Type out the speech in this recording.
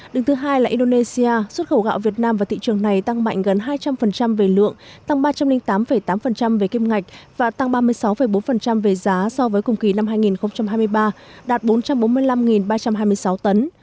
đường thứ hai là indonesia xuất khẩu gạo việt nam vào thị trường này tăng mạnh gần hai trăm linh về lượng tăng ba trăm linh tám tám về kim ngạch và tăng ba mươi sáu bốn về giá so với cùng kỳ năm hai nghìn hai mươi ba đạt bốn trăm bốn mươi năm ba trăm hai mươi sáu tấn